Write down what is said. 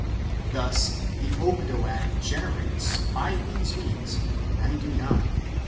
Thus the Ogdoad generates, by these means, ninety nine.